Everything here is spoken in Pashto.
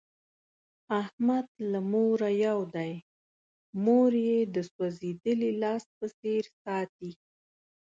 احمد له موره یو دی، مور یې د سوزېدلي لاس په څیر ساتي.